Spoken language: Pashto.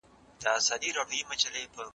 د ارغنداب سیند وده د زرغونتیا لپاره اړینه ده.